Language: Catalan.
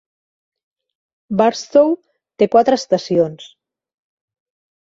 Barstow té quatre estacions.